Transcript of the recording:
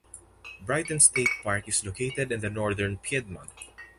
Brighton State Park is located in the Northern Piedmont.